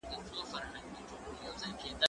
زه پرون چای وڅښل،